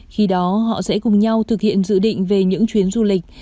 khi đó họ sẽ cùng nhau thực hiện dự định về những chuyến du lịch